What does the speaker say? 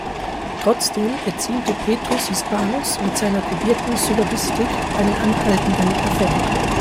Trotzdem erzielte Petrus Hispanus mit seiner codierten Syllogistik einen anhaltenden Erfolg.